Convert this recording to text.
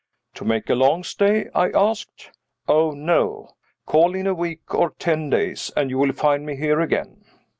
"To make a long stay?" I asked. "Oh, no! Call in a week or ten days and you will find me here again."